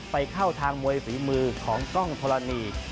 ไปเข้าทางมวยฝีมือของกล้องธรณี